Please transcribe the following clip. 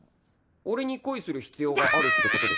俺に恋する必要があるってことでしょ。